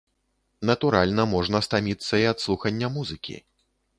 Натуральна, можна стаміцца і ад слухання музыкі.